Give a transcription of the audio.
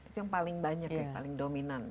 itu yang paling banyak yang paling dominan